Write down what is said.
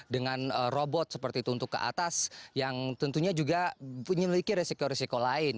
dengan robot seperti itu untuk ke atas yang tentunya juga memiliki resiko risiko lain